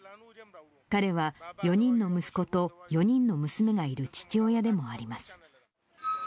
彼は４人の息子と４人の娘がいる父親でもあります。